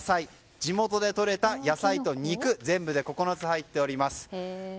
地元でとれた野菜と肉全部で９つ入っております。